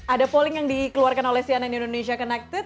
ada polling yang dikeluarkan oleh cnn indonesia connected